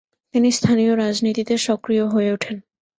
তিনি স্থানীয় রাজনীতিতে সক্রিয় হয়ে উঠেন।